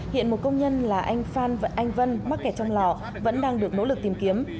hiện một công nhân là anh phan anh vân mắc kẹt trong lò vẫn đang được nỗ lực tìm kiếm